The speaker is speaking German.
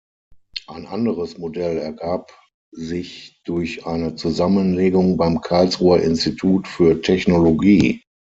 Ein anderes Modell ergab sich durch eine Zusammenlegung beim Karlsruher Institut für Technologie.